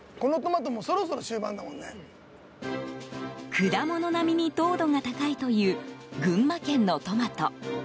果物並みに糖度が高いという群馬県のトマト。